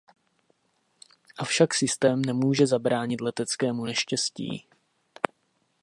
Avšak systém nemůže zabránit leteckému neštěstí.